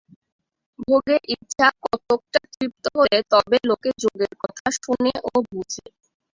ভোগের ইচ্ছা কতকটা তৃপ্ত হলে তবে লোকে যোগের কথা শোনে ও বোঝে।